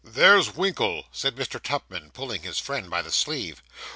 'There's Winkle,' said Mr. Tupman, pulling his friend by the sleeve.